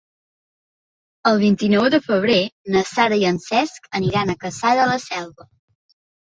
El vint-i-nou de febrer na Sara i en Cesc aniran a Cassà de la Selva.